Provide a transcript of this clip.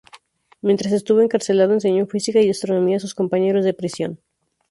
Mientras estuvo encarcelado, enseñó física y astronomía a sus compañeros de prisión.